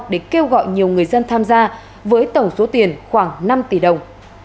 để kêu gọi nhiều người dân tham gia với tổng số tiền khoảng năm tỷ đồng